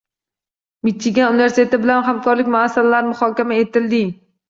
Michigan universiteti bilan hamkorlik masalalari muhokama etilding